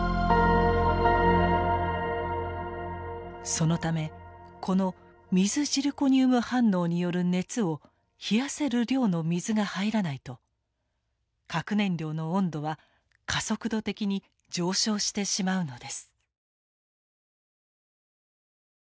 そのためこの水ジルコニウム反応による熱を冷やせる量の水が入らないと核燃料の温度は加速度的に上昇してしまうのです。